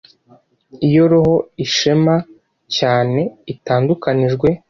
Iyo roho ishema cyane itandukanijwe